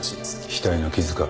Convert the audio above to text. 額の傷か？